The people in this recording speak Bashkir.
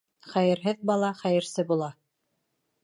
Хәйерһеҙ бала хәйерсе була.